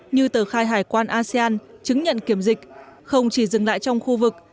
như tờ khai hải quan asean chứng nhận kiểm dịch không chỉ dừng lại trong khu vực